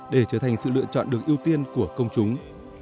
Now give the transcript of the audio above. để trở thành sự lựa chọn được ưu tiên của công chúng